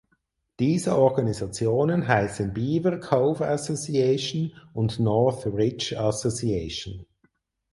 Diese Organisationen heißen Beaver Cove Association und North Ridge Association.